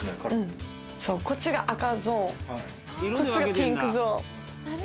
こっちが赤ゾーンこっちがピンクゾーン。